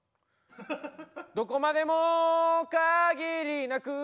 「どこまでも限りなく」